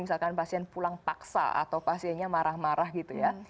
misalkan pasien pulang paksa atau pasiennya marah marah gitu ya